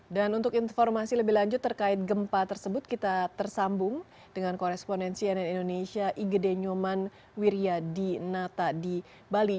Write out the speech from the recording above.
dan untuk informasi lebih lanjut terkait gempa tersebut kita tersambung dengan korespondensi nn indonesia igede nyoman wiryadi nata di bali